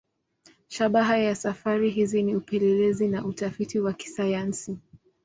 Shabaha ya safari hizi ni upelelezi na utafiti wa kisayansi.